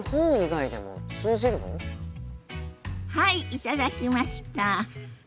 はい頂きました！